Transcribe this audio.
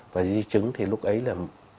và di chứng thì lúc ấy là